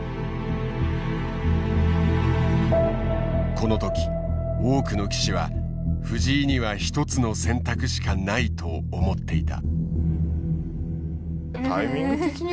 この時多くの棋士は藤井には一つの選択しかないと思っていた。